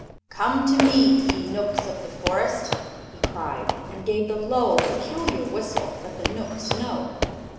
"Come to me, ye Knooks of the Forest!" he cried, and gave the low, peculiar whistle that the Knooks know.